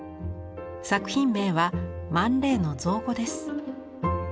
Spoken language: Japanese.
作品名はマン・レイの造語です。